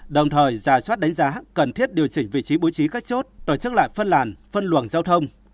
đồng thời giả soát đánh giá cần thiết điều chỉnh vị trí bố trí các chốt tổ chức lại phân làn phân luồng giao thông